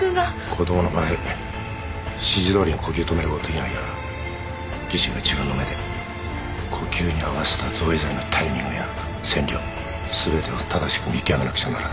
子供の場合指示どおりに呼吸止めることできないから技師が自分の目で呼吸に合わせた造影剤のタイミングや線量全てを正しく見極めなくちゃならない。